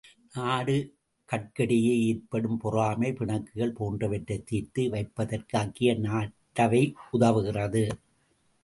நாடுகட்கிடையே ஏற்படும் பொறாமை, பிணக்குகள் போன்றவற்றைத் தீர்த்து வைப்பதற்கு ஐக்கிய நாட்டவை உதவுகிறது.